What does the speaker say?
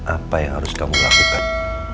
apa yang harus kamu lakukan